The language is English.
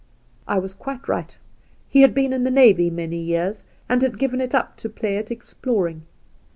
' I was quite right. He had been in the navy many years, and had given it up to play at explor ing.